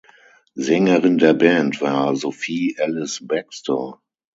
Sängerin der Band war Sophie Ellis-Bextor.